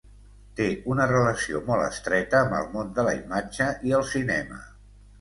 Té una relació molt estreta amb el món de la imatge i el cinema.